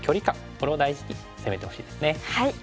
これを大事に攻めてほしいですね。